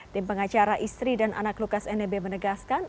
tim pengacara istri dan anak lukas nmb menegaskan